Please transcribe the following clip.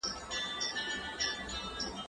زه به سبا واښه راوړم!!